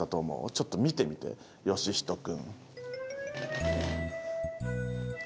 ちょっと見てみてよしひと君。